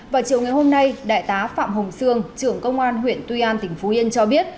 vào chiều ngày hôm nay đại tá phạm hồng sương trưởng công an huyện tuy an tỉnh phú yên cho biết